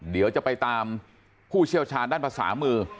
เดี๋ยวจะไปตามผู้เชี่ยวชาญด้านภาษามือ